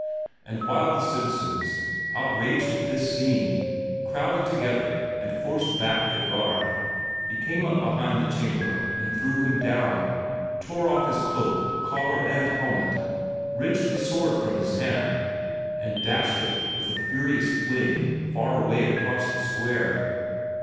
And while the citizens, outraged at this scene, crowded together and forced back the guard, he came up behind the Chamberlain and threw him down, tore off his cloak, collar, and helmet, wrenched the sword from his hand, and dashed it with a furious fling far away across the square.